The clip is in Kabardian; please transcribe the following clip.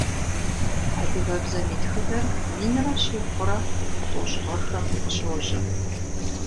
Адыгэбзэм и тхыдэр минрэ щибгъурэ тӏощӏ гъэхэм къыщожьэ.